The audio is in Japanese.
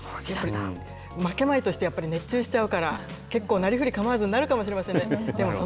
負けまいとして、やっぱり熱中しちゃうから、結構なりふり構わずになるかもしれませんね。